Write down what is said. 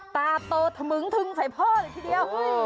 ตาโตถมึงทึงใส่พ่อเลยทีเดียว